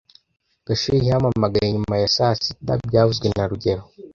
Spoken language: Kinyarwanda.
Gashuhe yampamagaye nyuma ya saa sita byavuzwe na rugero